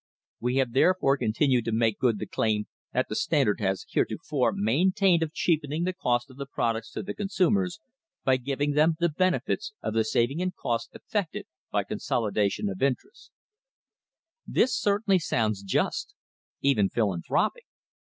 We have therefore continued to make good the claim that the Standard has heretofore maintained of cheapening the cost of the products to the consumers by giving them the benefits of the saving in costs effected by consolidation of interests." * This certainly sounds just even philanthropic.